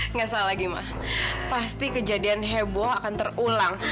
nggak salah gima pasti kejadian heboh akan terulang